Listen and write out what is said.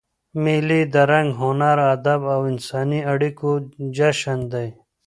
مېلې د رنګ، هنر، ادب او انساني اړیکو جشن دئ.